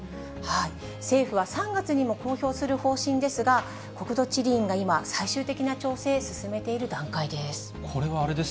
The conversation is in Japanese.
政府は３月にも公表する方針ですが、国土地理院が今、最終的な調整、進めている段階です。